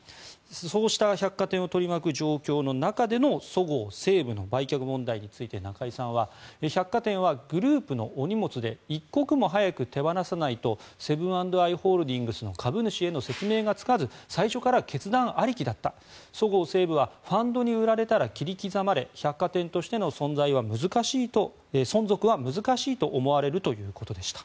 そうした百貨店を取り巻く状況の中でのそごう・西武の売却問題について中井さんは百貨店はグループのお荷物で一刻も早く手放さないとセブン＆アイ・ホールディングスの株主への説明がつかず最初から決断ありきだったそごう・西武はファンドに売られたら切り刻まれ百貨店としての存続は難しいと思われるということでした。